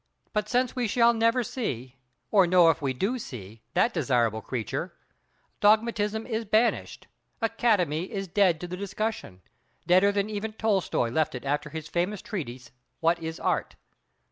But since we shall never see, or know if we do see, that desirable creature—dogmatism is banished, "Academy" is dead to the discussion, deader than even Tolstoy left it after his famous treatise "What is Art?"